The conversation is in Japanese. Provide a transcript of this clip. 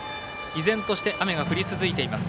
依然として雨が降り続いています。